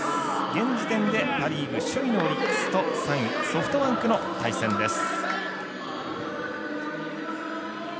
現時点でパ・リーグ首位のオリックスと３位、ソフトバンクの対戦です。